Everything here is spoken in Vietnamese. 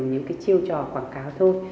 những cái chiêu trò quảng cáo thôi